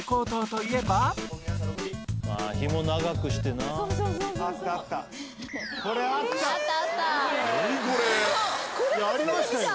「いやありましたよ！」